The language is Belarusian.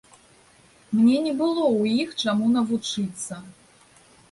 Мне не было ў іх чаму навучыцца.